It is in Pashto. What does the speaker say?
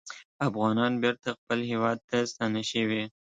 افغانان بېرته خپل هیواد ته ستانه شوي